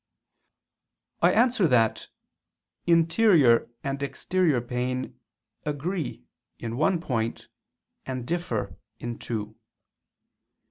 I answer that, Interior and exterior pain agree in one point and differ in two.